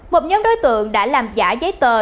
một nhóm đối tượng đã làm giả giấy tờ